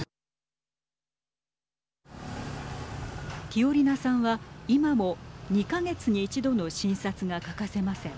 ティオリナさんは今も２か月に１度の診察が欠かせません。